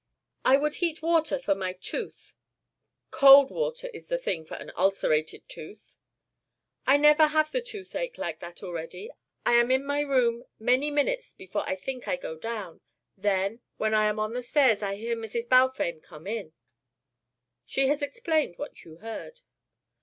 "I would heat water for my tooth." "Cold water is the thing for an ulcerated tooth." "I never have the toothache like that already. I am in my room many minutes before I think I go down. Then, when I am on the stairs I hear Mrs. Balfame come in." "She has explained what you heard."